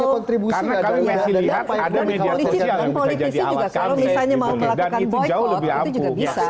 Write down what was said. dan politik itu juga kalau misalnya mau melakukan boykot itu juga bisa